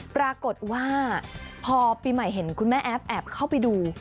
ปรากฏว่าพอปีใหม่เห็นคุณแม่แอฟแอบเข้าไปดู